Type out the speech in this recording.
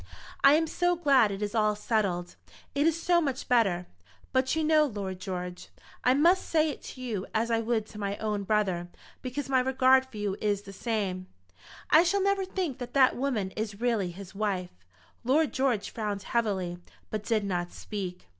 "I am so glad it is all settled; it is so much better. But you know, Lord George, I must say it to you as I would to my own brother, because my regard for you is the same, I shall never think that that woman is really his wife." Lord George frowned heavily, but did not speak.